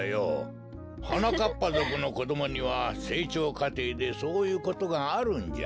はなかっぱぞくのこどもにはせいちょうかていでそういうことがあるんじゃ。